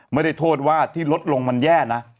ไม่ได้โทษว่าที่ลดลงมันแย่นะ